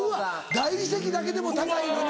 大理石だけでも高いのに。